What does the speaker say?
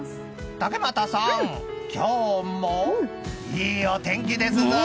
竹俣さん、今日もいいお天気ですぞ。